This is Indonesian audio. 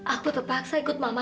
aku terpaksa ikut mama sama papa